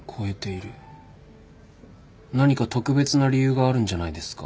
何か特別な理由があるんじゃないですか？